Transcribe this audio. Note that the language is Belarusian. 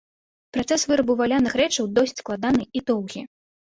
Працэс вырабу валяных рэчаў досыць складаны і доўгі.